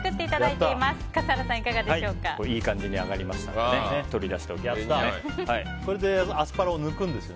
いい感じに揚がりましたら取り出しておきます。